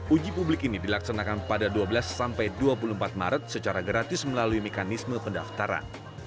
uji publik ini dilaksanakan pada dua belas sampai dua puluh empat maret secara gratis melalui mekanisme pendaftaran